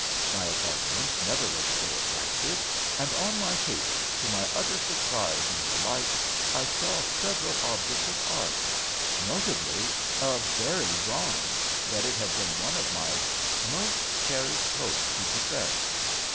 My apartments never looked so attractive, and on my table, to my utter surprise and delight, I saw several objects of art, notably a Bary bronze, that it had been one of my most cherished hopes to possess.